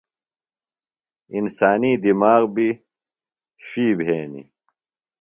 انسانی دِماغ بیۡ شُوئی بھینیۡ۔